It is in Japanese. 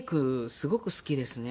すごく好きですね。